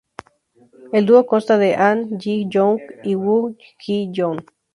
El dúo consta de Ahn Ji-young y Woo Ji-yoon.